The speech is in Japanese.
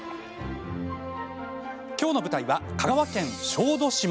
きょうの舞台は香川県小豆島。